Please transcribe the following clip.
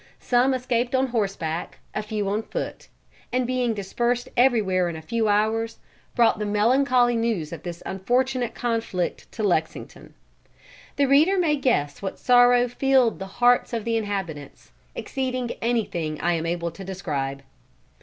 Some escaped on horseback, a few on foot; and being dispersed everywhere in a few hours, brought the melancholy news of this unfortunate conflict to Lexington. The reader may guess what sorrow filled the hearts of the inhabitants; exceeding anything I am able to describe.